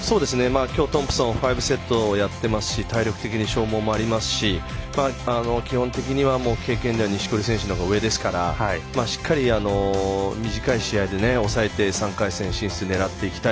きょうトンプソン５セットやってますし体力的に消耗もありますし基本的には経験では錦織選手のほうが上ですからしっかり短い試合で抑えて３回戦進出狙っていきたい